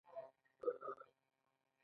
هغه د سهار پر څنډه ساکت ولاړ او فکر وکړ.